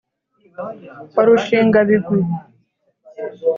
wa rushingabigwi